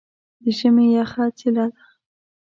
د ژمي یخه څیله ده.